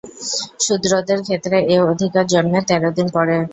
শূদ্রদের ক্ষেত্রে এ অধিকার জন্মে তেরোদিন পরে।